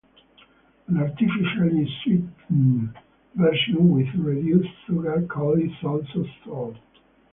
An artificially sweetened version with reduced sugar called is also sold.